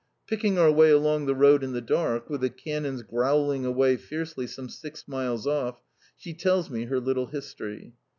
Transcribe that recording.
Picking our way along the road in the dark, with the cannons growling away fiercely some six miles off, she tells me her "petite histoire."